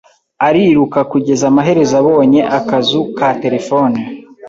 Ariruka, kugeza amaherezo abonye akazu ka terefone.